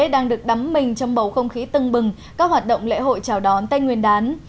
đang được đắm mình trong bầu không khí tưng bừng các hoạt động lễ hội chào đón tết nguyên đán